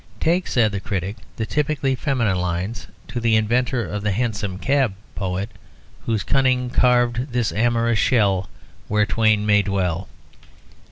"Take," said the critic, "the typically feminine lines, 'To the Inventor of The Hansom Cab' 'Poet, whose cunning carved this amorous shell, Where twain may dwell.'"